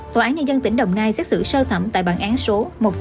tòa án nhân dân tỉnh đồng nai xét xử sơ thẩm tại bản án số một trăm sáu mươi